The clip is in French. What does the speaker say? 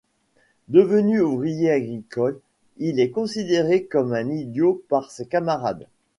Devenu ouvrier agricole, il est considéré comme un idiot par ses camarades.